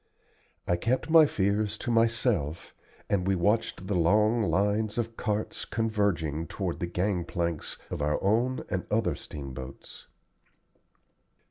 I kept my fears to myself, and we watched the long lines of carts converging toward the gang planks of our own and other steamboats.